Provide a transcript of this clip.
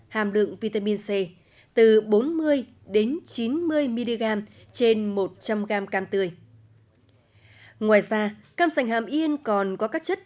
hàm lượng vitamin c từ bốn mươi đến chín mươi mg trên một trăm linh g cam tươi ngoài ra cam sành hàm yên còn có các chất